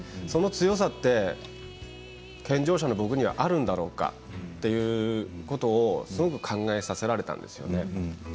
その強さって健常者の僕にはあるんだろうかっていうことをすごく考えさせられたんですね。